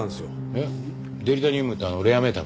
えっデリタニウムってあのレアメタルの？